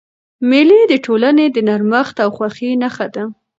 مېلې د ټولني د نرمښت او خوښۍ نخښه ده.